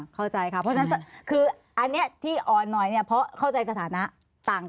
เข้าใจค่ะเพราะฉะนั้นคืออันนี้ที่อ่อนหน่อยเนี่ยเพราะเข้าใจสถานะต่างกัน